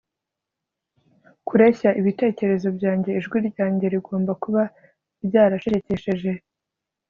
kureshya ibitekerezo byanjye ... ijwi ryanjye rigomba kuba ryaracecekesheje